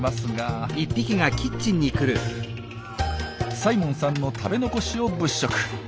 サイモンさんの食べ残しを物色。